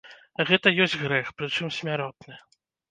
Гэта ёсць грэх, прычым смяротны.